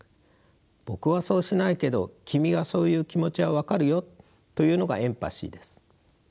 僕はそうしないけど君がそう言う気持ちは分かるよというのがエンパシーです。